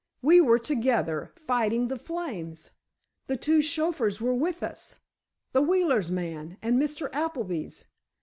We were together, fighting the flames. The two chauffeurs were with us—the Wheelers' man, and Mr. Appleby's.